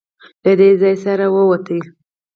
له دې سره له وره ووت.